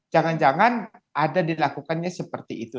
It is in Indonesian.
jangan jangan ada dilakukannya seperti itu